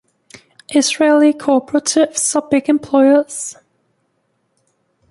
Israeli cooperatives are big employers.